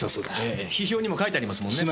ええ批評にも書いてありますもんね。